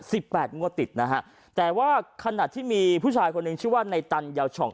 แปดงวดติดนะฮะแต่ว่าขณะที่มีผู้ชายคนหนึ่งชื่อว่าในตันยาวช่อง